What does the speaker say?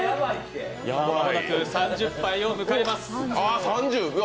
間もなく３０杯を迎えます。